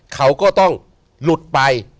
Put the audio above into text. เขาก็ต้องหลุดไป